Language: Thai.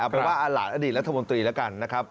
ไปว่าหลานอดีตรัฐมนตรีแล้วกันนะครับ